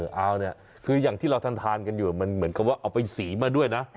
เอาเนี่ยคืออย่างที่เราทานกันอยู่มันเหมือนกับว่าเอาไปสีมาด้วยนะ